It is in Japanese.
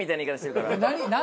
何？